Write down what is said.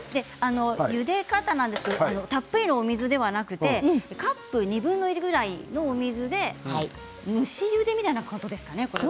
ゆで方なんですがたっぷりのお水ではなくてカップ２分の１ぐらいのお水で蒸しゆでみたいなことですかね。